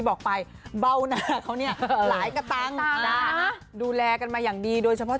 บอกไปเบ้าหน้าเขาเนี่ยหลายกระตังค์ดูแลกันมาอย่างดีโดยเฉพาะ